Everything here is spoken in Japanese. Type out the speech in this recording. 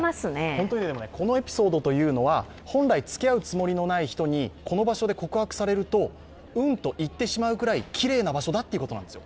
このエピソードというのは本来付き合うつもりのない人にこの場所で告白されると「うん」と言ってしまうくらいきれいな場所だということなんですよ。